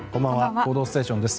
「報道ステーション」です。